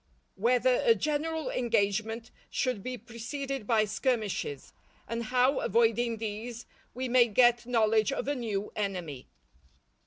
—_Whether a general engagement should be preceded by skirmishes; and how, avoiding these, we may get knowledge of a new Enemy.